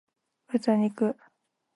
豚肉